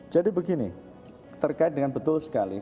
jadi begini terkait dengan betul sekali